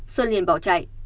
sơn liên bảo chạy